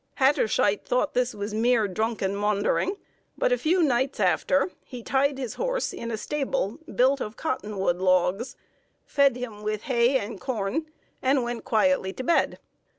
Hatterscheit thought this was mere drunken maundering; but a few nights after, he tied his horse in a stable built of cottonwood logs, fed him with hay and corn, and went quietly to bed.